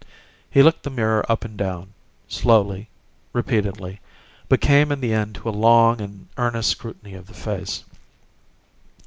He looked the mirror up and down, slowly, repeatedly, but came in the end to a long and earnest scrutiny of the face.